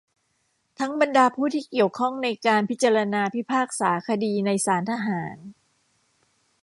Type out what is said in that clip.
ทั้งบรรดาผู้ที่เกี่ยวข้องในการพิจารณาพิพากษาคดีในศาลทหาร